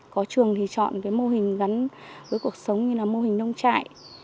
có trường thì chọn cái mô hình gắn với cuộc sống như là mô hình nông trại